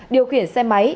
điều khiển xe máy